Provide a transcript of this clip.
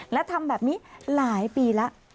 และทำแบบนี้หลายปีแล้ว